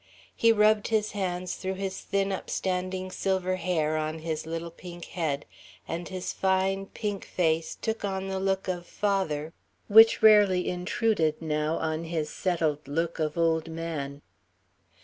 He rubbed his hands through his thin upstanding silver hair on his little pink head, and his fine, pink face took on the look of father which rarely intruded, now, on his settled look of old man.